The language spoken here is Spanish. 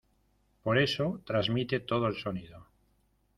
por eso transmite todo el sonido.